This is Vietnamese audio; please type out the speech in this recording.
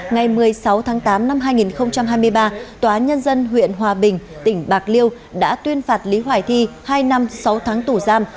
ngày một mươi sáu tháng tám năm hai nghìn hai mươi ba tòa nhân dân huyện hòa bình tỉnh bạc liêu đã tuyên phạt lý hoài thi hai năm sáu tháng tù giam